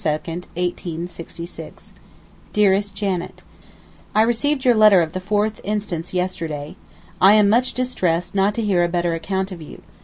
February 22, 1866. DEAREST JANET, I received your letter of the 4th inst. yesterday. I am much distressed not to hear a better account of you.